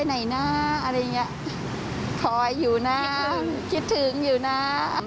คิดถึงคิดถึงอยู่นะ